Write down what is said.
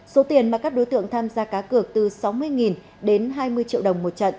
số tiền mà các đối tượng tham gia cá cược từ sáu mươi đến hai mươi đồng